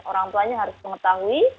orang tuanya harus mengetahui